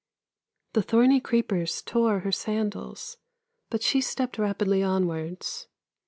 The thorny creepers tore her sandals, but she stepped rapidly onwards.